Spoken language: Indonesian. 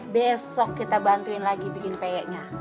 besok kita bantuin lagi bikin peyeknya